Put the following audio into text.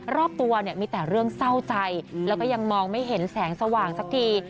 รอบตัวเนี่ยมีแต่เรื่องเศร้าใจแล้วก็ยังมองไม่เห็นแสงสว่างสักที